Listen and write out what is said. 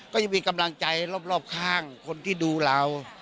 ก็ยังมีกำลังใจรอบข้างคนที่ดูเรา